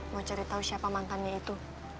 mau cari tahu siapa mantannya itu